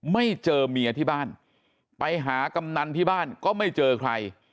ไม่เจอเมียที่บ้านไปหากำนันที่บ้านก็ไม่เจอใคร